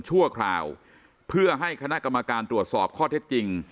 ชั่วคราวเพื่อให้คณะกรรมการตรวจสอบข้อเท็จจริง